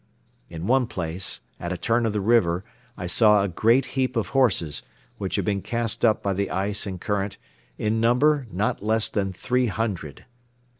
In one place at a turn of the river I saw a great heap of horses, which had been cast up by the ice and current, in number not less than three hundred.